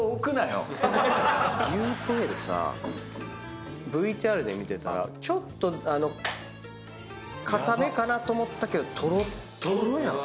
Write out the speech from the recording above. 牛テールさＶＴＲで見てたらちょっとあの硬めかなと思ったけどとろっとろやん。